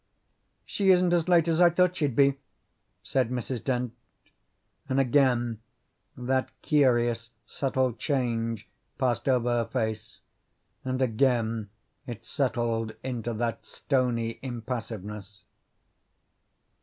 "She isn't as late as I thought she'd be," said Mrs. Dent, and again that curious, subtle change passed over her face, and again it settled into that stony impassiveness.